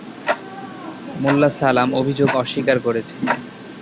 মোল্লা সালাম অভিযোগ অস্বীকার করেছেন।